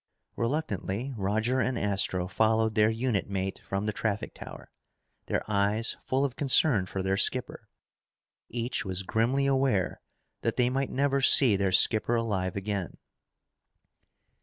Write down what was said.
Reluctantly, Roger and Astro followed their unit mate from the traffic tower, their eyes full of concern for their skipper. Each was grimly aware that they might never see their skipper alive again.